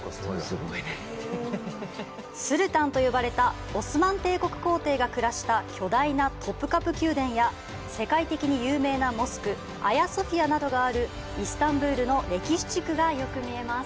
スルタンと呼ばれたオスマン帝国皇帝が暮らした巨大なトプカプ宮殿や世界的に有名なモスクアヤソフィアなどがあるイスタンブルの歴史地区がよく見えます。